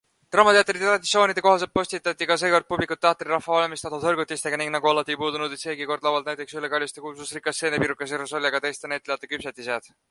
Draamateatri traditsioonide kohaselt kostitati ka seekord publikut teatrirahva valmistatud hõrgutistega ning, nagu alati, ei puudunud seegi kord laualt näiteks Ülle Kaljuste kuulsusrikas seenepirukas ja rosolje, aga ka teiste näitlejate küpsetised.